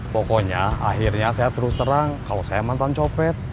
pokoknya akhirnya saya terus terang kalau saya mantan copet